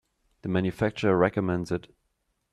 The manufacturer recommends it.